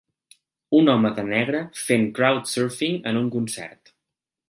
Un home de negre fent crowd surfing en un concert.